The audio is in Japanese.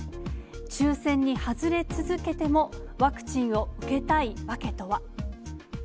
抽せんに外れ続けても、ワクチンを受けたい訳とは。